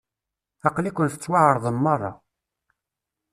Aql-iken tettwaεreḍem merra.